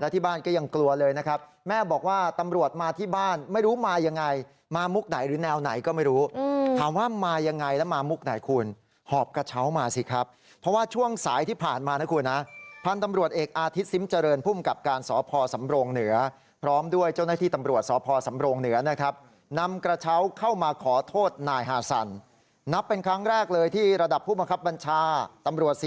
แล้วที่บ้านก็ยังกลัวเลยนะครับแม่บอกว่าตำรวจมาที่บ้านไม่รู้มายังไงมามุกไหนหรือแนวไหนก็ไม่รู้อืมถามว่ามายังไงแล้วมามุกไหนคุณหอบกระเช้ามาสิครับเพราะว่าช่วงสายที่ผ่านมานะคุณนะพันธ์ตำรวจเอกอาทิตย์ซิมเจริญผู้มกับการสพสำโรงเหนือพร้อมด้วยเจ้าหน้าที่ต